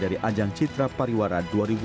dari ajang citra pariwara dua ribu lima belas